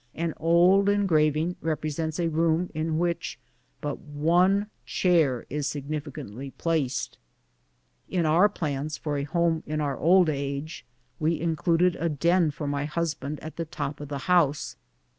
An old engraving repre sents a room in which but one chair is significantly placed. In our plans for a home in our old age we in cluded a den for my husband at the top of the house.